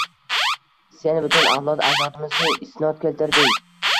Sen butun avlod-ajdodimizga isnod keltirding!